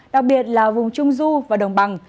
đặc biệt là vùng trung du và đồng bằng